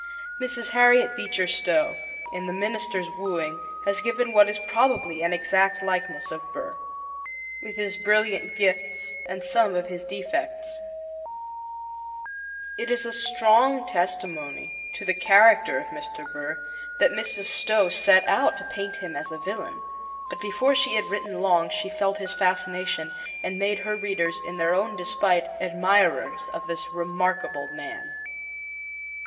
Mrs. Harriet Beecher Stowe, in The Minister's Wooing, has given what is probably an exact likeness of Aaron Burr, with his brilliant gifts and some of his defects. It is strong testimony to the character of Burr that Mrs. Stowe set out to paint him as a villain; but before she had written long she felt his fascination and made her readers, in their own despite, admirers of this remarkable man.